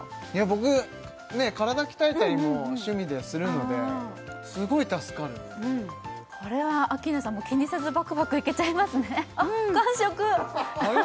僕体鍛えたりも趣味でするのですごい助かるこれはアッキーナさんも気にせずバクバクいけちゃいますねあっ